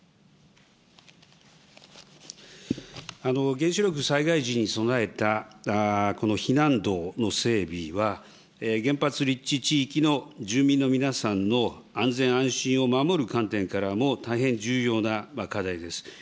原子力災害時に備えたこの避難道の整備は、原発立地地域の住民の皆さんの安全安心を守る観点からも、大変重要な課題です。